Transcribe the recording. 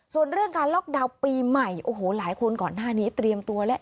ส่วนเรื่องการล็อกดาวน์ปีใหม่โอ้โหหลายคนก่อนหน้านี้เตรียมตัวแล้ว